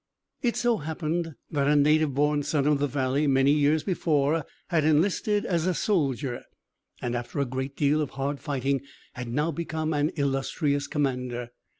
It so happened that a native born son of the valley, many years before, had enlisted as a soldier, and, after a great deal of hard fighting, had now become an illustrious commander.